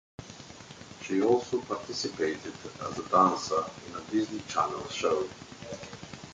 She also participated as a dancer in a Disney Channel show.